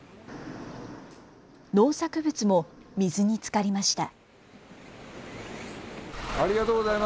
農作物も水につかりました。